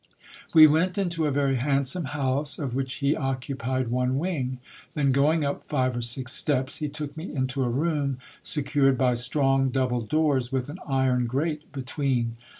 We went into a very handsome house, of which he occupied one wing ; then going up five or six steps, he took me into a room secured by strong double doors, with an iron grate between.